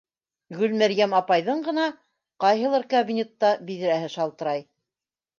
Гөлмәрйәм апайҙың ғына ҡайһылыр кабинетта биҙрәһе шалтырай.